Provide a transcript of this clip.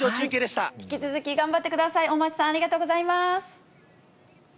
引き続き頑張ってください、大町さん、ありがとうございました。